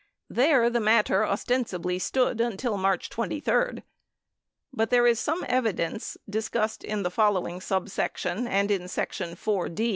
There the matter ostensibly stood until March 23. But there is some evidence, discussed in the following subsection and in section IV.D.